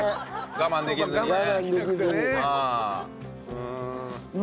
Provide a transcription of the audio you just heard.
我慢できずに。